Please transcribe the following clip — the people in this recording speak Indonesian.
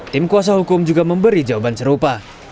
tim kuasa hukum juga memberi jawaban serupa